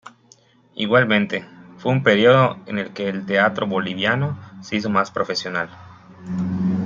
Igualmente, fue un periodo en el que el teatro boliviano se hizo más profesional.